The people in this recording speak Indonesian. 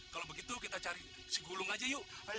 kalau begitu kita cari si gulung aja yuk